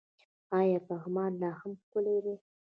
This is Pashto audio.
آیا پغمان لا هم ښکلی دی؟